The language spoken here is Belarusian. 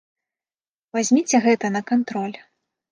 Вазьміце гэта на кантроль.